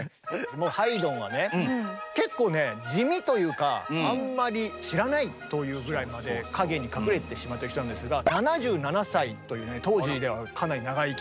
もうハイドンはね結構ね地味というかあんまり知らないというぐらいまで陰に隠れてしまってる人なんですが７７歳というね当時ではかなり長生き。